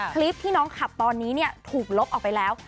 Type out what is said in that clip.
คลิปที่น้องขับตอนนี้ถูกลบออกไปแล้ว